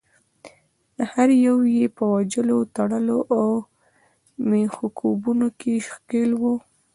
هر یو یې په وژلو، تړلو او میخکوبونو کې ښکیل وو.